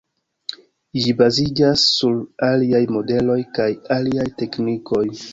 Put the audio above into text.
Ĝi baziĝas sur aliaj modeloj kaj aliaj teknikoj.